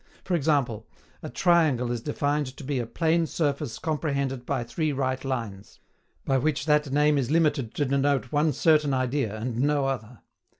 For example, a TRIANGLE is defined to be A PLAIN SURFACE COMPREHENDED BY THREE RIGHT LINES, by which that name is limited to denote one certain idea and no other.